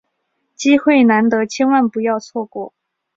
机会难得，千万不要错过！